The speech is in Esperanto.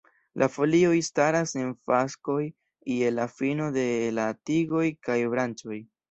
La folioj staras en faskoj je la fino de la tigoj kaj branĉoj.